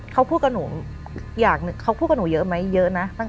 เขาพูดกับหนูอย่างหนึ่งเขาพูดกับหนูเยอะไหมเยอะนะ